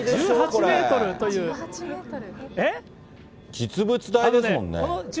実物大ですもんね。